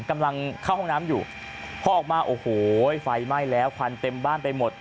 กำลังเข้าห้องน้ำอยู่พอออกมาโอ้โหไฟไหม้แล้วควันเต็มบ้านไปหมด